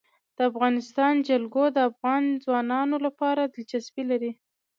د افغانستان جلکو د افغان ځوانانو لپاره دلچسپي لري.